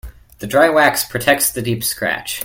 The dry wax protects the deep scratch.